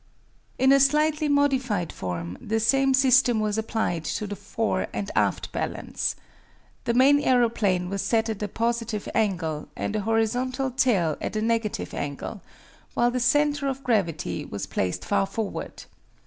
In a slightly modified form the same system was applied to the fore and aft balance. The main aeroplane was set at a positive angle, and a horizontal tail at a negative angle, while the center of gravity was placed far forward.